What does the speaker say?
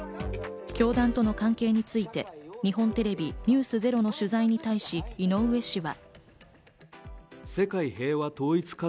教団との関係について日本テレビ『ｎｅｗｓｚｅｒｏ』の取材に対し、井上氏は。